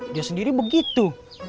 dia sendiri begitu